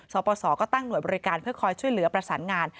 ปปศก็ตั้งหน่วยบริการเพื่อคอยช่วยเหลือประสานงาน